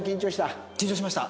緊張しました。